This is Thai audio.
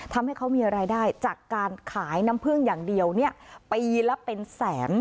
ทำให้เขามีรายได้จากการขายน้ำพึ่งอย่างเดียวปีละเป็นแสน